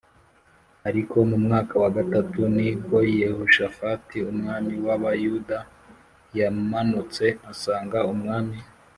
Ariko mu mwaka wa gatatu ni bwo Yehoshafati umwami w’Abayuda yamanutse asanga umwami